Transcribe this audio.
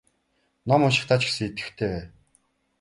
Ном уншихдаа ч гэсэн идэвхтэй бай.